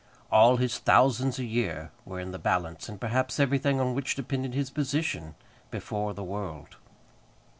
All his thousands a year were in the balance, and perhaps everything on which depended his position before the world.